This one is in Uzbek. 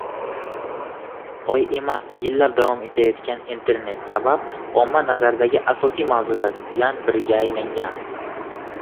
Oy emas — yillab davom etayotgan, internet sabab omma nazaridagi asosiy mavzulardan biriga aylangan